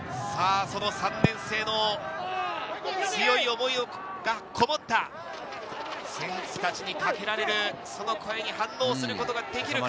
３年生の強い思いがこもった、選手たちにかけられる、その声に反応することができるか？